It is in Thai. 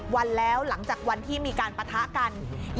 วันแล้วหลังจากวันที่มีการปะทะกัน